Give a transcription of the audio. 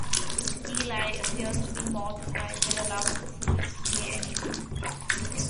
Eli appears to be mortified, but allows the footage to play anyway.